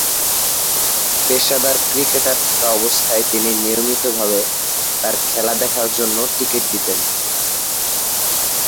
পেশাদার ক্রিকেটার থাকা অবস্থায় তিনি নিয়মিতভাবে তার খেলা দেখার জন্য টিকেট দিতেন।